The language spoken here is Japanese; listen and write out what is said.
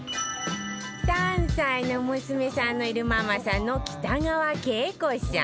３歳の娘さんのいるママさんの北川景子さん